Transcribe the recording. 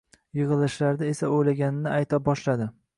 yig‘ilishlarda esa o‘ylaganini ayta boshladi